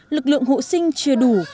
lực lượng hộ sinh chưa đủ